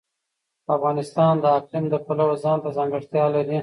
افغانستان د اقلیم د پلوه ځانته ځانګړتیا لري.